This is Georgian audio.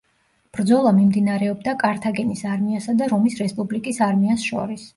ბრძოლა მიმდინარეობდა კართაგენის არმიასა და რომის რესპუბლიკის არმიას შორის.